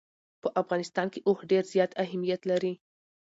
په افغانستان کې اوښ ډېر زیات اهمیت لري.